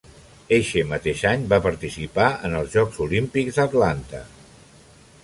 Eixe mateix any va participar en els Jocs Olímpics d'Atlanta.